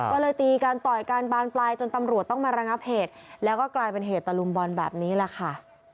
ก็เลยตีกันต่อยการบานปลายจนตำรวจต้องมาระงับเหตุแล้วก็กลายเป็นเหตุตะลุมบอลแบบนี้แหละค่ะ